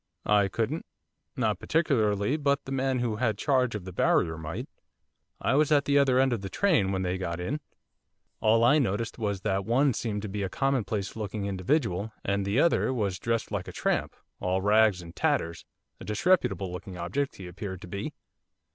'I couldn't, not particularly, but the man who had charge of the barrier might. I was at the other end of the train when they got in. All I noticed was that one seemed to be a commonplace looking individual and that the other was dressed like a tramp, all rags and tatters, a disreputable looking object he appeared to be.